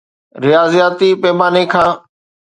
رياضياتي پيماني کان